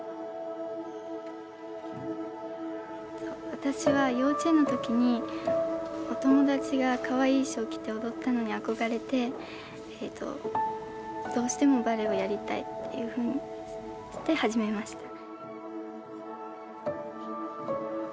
私は幼稚園の時にお友達がかわいい衣装を着て踊ったのに憧れてどうしてもバレエをやりたいっていうふうにして始めました。